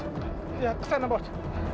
iya kesana bos